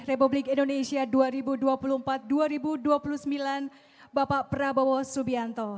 republik indonesia dua ribu dua puluh empat dua ribu dua puluh sembilan bapak prabowo subianto